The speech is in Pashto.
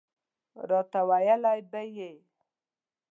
راته ویله به یې.